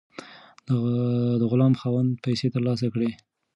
د غلام خاوند پیسې ترلاسه کړې.